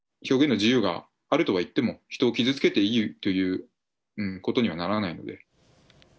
表現の自由があるとはいっても、人を傷つけていいということにはならないので。